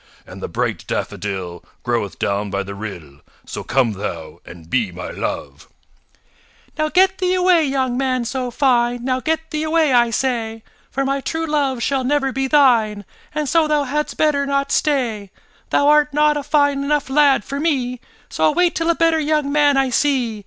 And the bright daffodil Groweth down by the rill, So come thou and be my love. SHE "Now get thee away, young man so fine; Now get thee away, I say; For my true love shall never be thine, And so thou hadst better not stay. Thou art not a fine enough lad for me, So I'll wait till a better young man I see.